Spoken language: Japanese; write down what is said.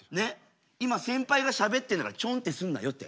今先輩がしゃべってんだからちょんってすんなよって。